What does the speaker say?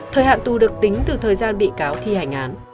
thời hạn tù được tính từ thời gian bị cáo thi hành án